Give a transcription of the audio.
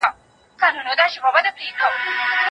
د ابدالیانو تاريخ د افغانستان د ملي وياړونو يو لوی برخه ده.